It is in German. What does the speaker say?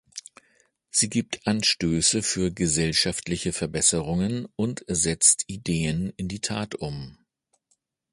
Sie gibt Anstöße für gesellschaftliche Verbesserungen und setzt Ideen in die Tat um.